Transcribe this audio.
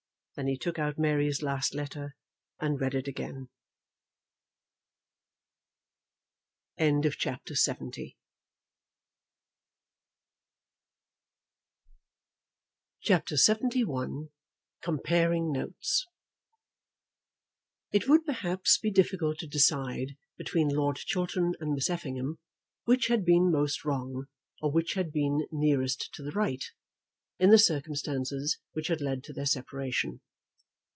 Then he took out Mary's last letter and read it again. CHAPTER LXXI Comparing Notes It would, perhaps, be difficult to decide, between Lord Chiltern and Miss Effingham, which had been most wrong, or which had been nearest to the right, in the circumstances which had led to their separation.